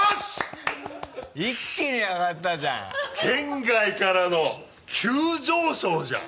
圏外からの急上昇じゃん。